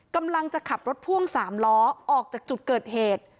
กำลังจะขับรถพ่วง๓ล้อออกจากจุดเกิดเหตุ